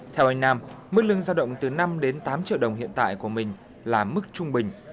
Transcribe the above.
theo anh nam mức lương giao động từ năm đến tám triệu đồng hiện tại của mình là mức trung bình